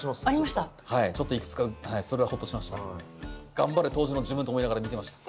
頑張れ当時の自分と思いながら見てました。